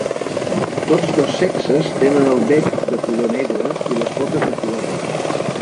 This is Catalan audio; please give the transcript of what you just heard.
Tots dos sexes tenen el bec de color negre i les potes de color rosa.